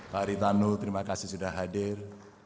pak ritanu terima kasih sudah hadir